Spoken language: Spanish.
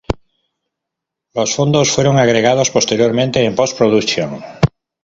Los fondos fueron agregados posteriormente en post-producción.